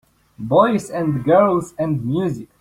Boys and girls and music.